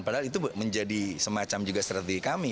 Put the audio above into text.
padahal itu menjadi semacam juga strategi kami